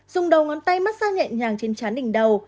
dùng đầu ngón tay mát xa nhẹ nhàng trên chán đỉnh đầu